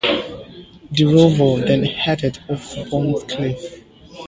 The rover then headed off to Burns Cliff.